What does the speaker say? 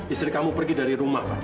istri kamu pergi dari rumah pak